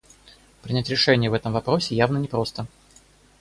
Принять решение в этом вопросе явно непросто.